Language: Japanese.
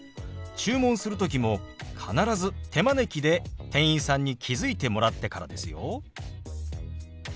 注文する時も必ず手招きで店員さんに気付いてもらってからですよ。